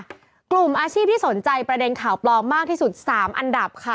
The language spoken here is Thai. กลุ่มอาชีพที่สนใจประเด็นข่าวปลอมมากที่สุด๓อันดับค่ะ